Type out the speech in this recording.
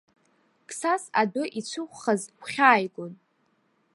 Қсас адәы ицәықәхаз гәхьааигон.